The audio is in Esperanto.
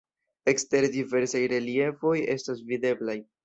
Ekstere diversaj reliefoj estas videblaj.